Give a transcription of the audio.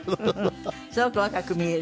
すごく若く見える。